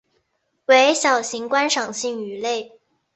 为小型观赏性鱼类。